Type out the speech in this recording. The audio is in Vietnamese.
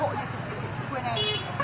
là ghê lắm